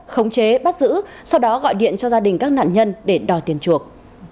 khống chế bắt giữ sau đó gọi điện cho gia đình các nạn nhân để đòi tiền chuộc